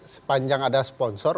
sepanjang ada sponsor